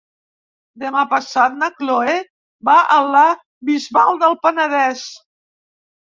Demà passat na Chloé va a la Bisbal del Penedès.